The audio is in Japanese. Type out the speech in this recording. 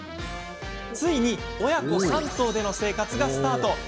ついに親子３頭での生活がスタート。